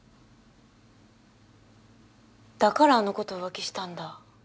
だからあの子と浮気したんだ。